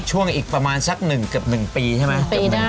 ช่วงอีกประมาณสัก๑เกือบ๑ปีใช่ไหม